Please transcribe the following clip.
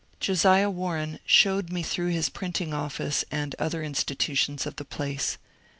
Josiah Warren showed me through his printing office and other institutions of the place.